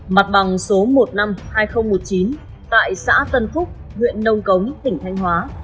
mặt bằng số một trăm năm mươi hai nghìn một mươi chín tại xã tân phúc huyện nông cống tỉnh thanh hóa